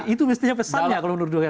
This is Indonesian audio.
itu mestinya pesannya kalau menurut dpr